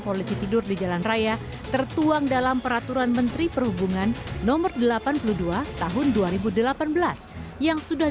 polisi tidur di jalan raya tertuang dalam peraturan menteri perhubungan nomor delapan puluh dua tahun dua ribu delapan belas yang sudah